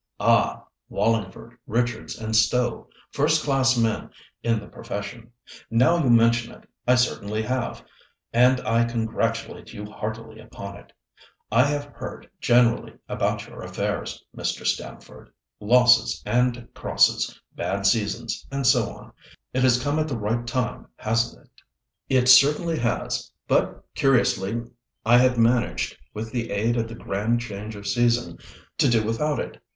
"Ah! Wallingford, Richards and Stowe—first class men in the profession. Now you mention it, I certainly have, and I congratulate you heartily upon it. I have heard generally about your affairs, Mr. Stamford; losses and crosses, bad seasons, and so on. It has come at the right time, hasn't it?" "It certainly has; but, curiously, I had managed, with the aid of the grand change of season, to do without it.